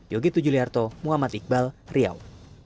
yogi tujuliarto muhammad iqbal riau